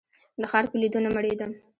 د ښار په لیدو نه مړېدم.